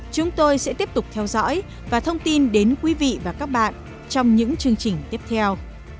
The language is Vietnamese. chúng tôi sẽ tiếp tục theo dõi và thông tin đến quý vị và các bạn trong những chương trình tiếp theo